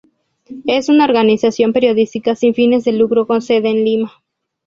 Es una organización periodística sin fines de lucro con sede en Lima.